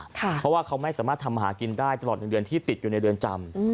เพราะว่าเขาไม่สามารถทำหากินได้ตลอด๑เดือนที่ติดอยู่ในเรือนจำ